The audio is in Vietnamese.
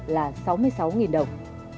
là sáu mươi sáu đồng